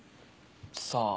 さあ。